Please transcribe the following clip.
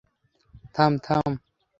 থাম, থাম।